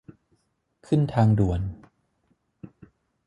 ขึ้นทางด่วน